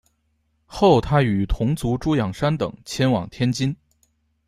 后他与同族朱仰山等迁往天津。